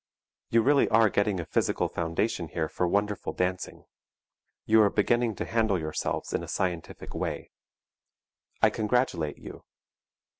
You really are getting a physical foundation here for wonderful dancing; you are beginning to handle yourselves in a scientific way. I congratulate you.